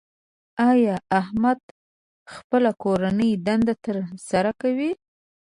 ایا احمد خپله کورنۍ دنده تر سره کوي؟